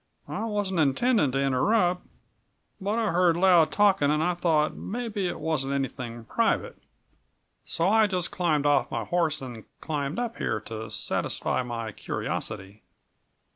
"I wasn't intending to interrupt, but I heard loud talking and I thought mebbe it wasn't anything private. So I just got off my horse and climbed up here, to satisfy my curiosity."